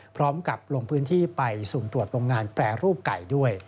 พร้อมกับลงพื้นที่ไปสุ่มตรวจโรงงานแปรรูปไก่ด้วย